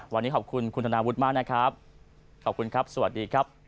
วันนี้ขอบคุณคุณธนาวุฒิมากนะครับขอบคุณครับสวัสดีครับ